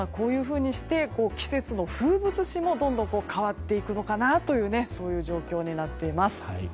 こういうふうにして季節の風物詩もどんどん変わっていくのかなという状況になっています。